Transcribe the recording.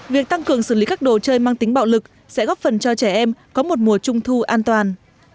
việc tăng cường xử lý các đồ chơi mang tính bạo lực sẽ góp phần cho trẻ em có một mùa trung thu an toàn